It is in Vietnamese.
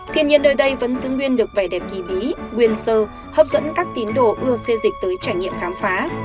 thiên nhiên nơi đây vẫn xứng nguyên được vẻ đẹp kỳ bí quyền sơ hấp dẫn các tín đồ ưa xê dịch tới trải nghiệm khám phá